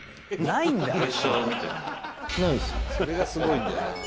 「それがすごいんだよな」